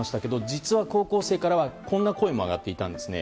実は高校生からはこんな声も上がっていたんですね。